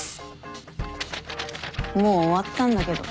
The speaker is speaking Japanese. もう終わったんだけど